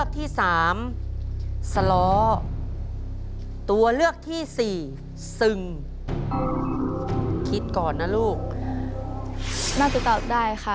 น่าจริงตอบได้ค่ะ